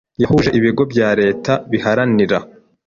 yahuje ibigo bya leta biharanira